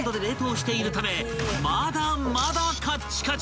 ［まだまだカッチカチ］